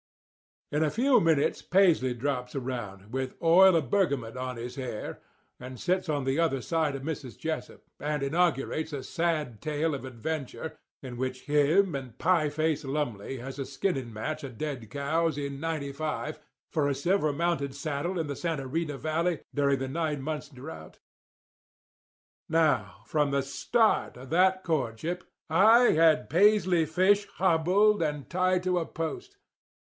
"In a few minutes Paisley drops around, with oil of bergamot on his hair, and sits on the other side of Mrs. Jessup, and inaugurates a sad tale of adventure in which him and Pieface Lumley has a skinning match of dead cows in '95 for a silver mounted saddle in the Santa Rita valley during the nine months' drought. "Now, from the start of that courtship I had Paisley Fish hobbled and tied to a post.